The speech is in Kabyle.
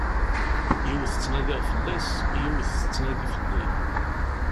Yiwet ttnadiɣ fell-as, yiwet tettnadi fell-i.